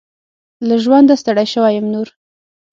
له ژونده ستړي شوي يم نور .